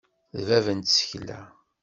D bab n tsekla.